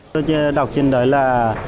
tôi đã đọc trên đó là